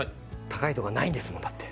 高いとこがないんですもんだって。